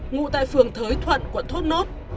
ngụ tại phường thới thuận quận thốt nốt